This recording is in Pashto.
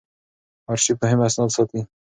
آرشیف مهم اسناد ساتي.